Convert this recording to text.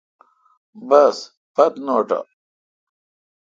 بس پت نوٹہ۔